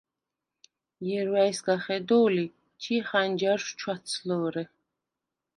ჲერუ̂ა̈ჲ სგა ხედო̄ლი, ჩი ხანჯარშუ̂ ჩუ̂’აცლჷ̄რე.